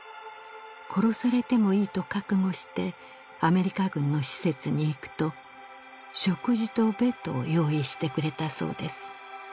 殺されてもいいと覚悟してアメリカ軍の施設に行くと食事とベッドを用意してくれたそうです